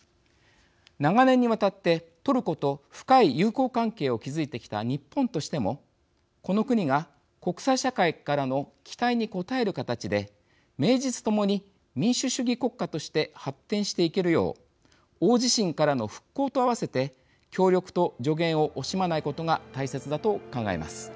長年にわたってトルコと深い友好関係を築いてきた日本としてもこの国が国際社会からの期待に応える形で名実ともに民主主義国家として発展していけるよう大地震からの復興と合わせて協力と助言を惜しまないことが大切だと考えます。